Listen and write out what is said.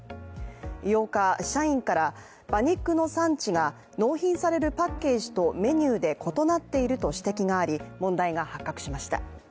８日、社員から馬肉の産地が納品されるパッケージとメニューで異なっていると指摘があり問題が発覚しました。